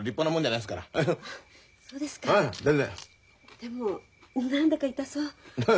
でも何だか痛そう。へへ。